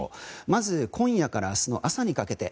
まず今夜から明日の朝にかけて。